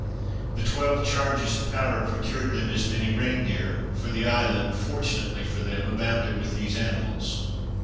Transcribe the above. The twelve charges of powder procured them as many rein deer, for the island, fortunately for them abounded with these animals.